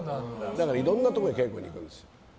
だからいろんなところに稽古に行くんです。